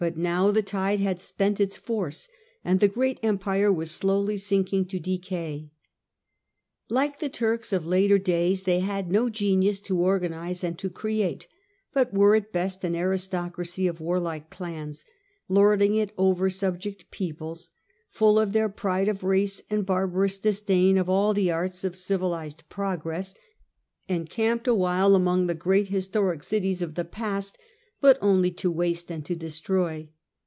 now the tide had spent its force and the great empire was slowly sinking to decay. Like the Turks of later days they had no genius to organize or to create, but were at best an aristocracy of warlike clans, lording it over subject peoples, full of their pride of race and bar barous disdain of all the arts of civilized progress, en camped awhile among the great historic cities of the past, but only to waste and to destroy.